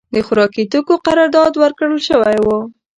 د خوارکي توکیو قرارداد ورکړای شوی و.